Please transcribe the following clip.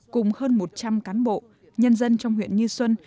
cùng hơn một trăm linh cán bộ nhân dân trong huyện như xuân